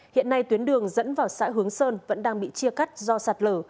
hiện nay tuyến đường dẫn vào xã hướng sơn vẫn đang bị chia cắt do sạt lở